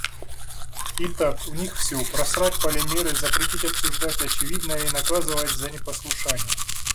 И так у них всё: просрать полимеры, запретить обсуждать очевидное и наказывать за непослушание.